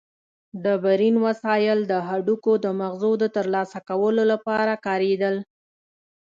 ډبرین وسایل د هډوکو د مغزو د ترلاسه کولو لپاره کارېدل.